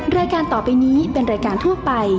รายการต่อไปนี้เป็นรายการทั่วไป